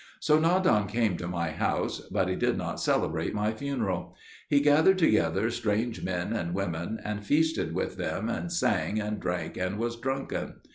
So Nadan came to my house; but he did not celebrate my funeral. He gathered together strange men and women, and feasted with them, and sang, and drank, and was drunken.